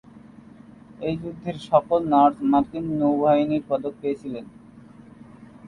এই যুদ্ধের সকল নার্স মার্কিন নৌবাহিনীর পদক পেয়েছিলেন।